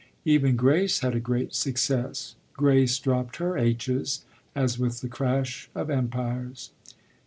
Even Grace had a great success; Grace dropped her h's as with the crash of empires.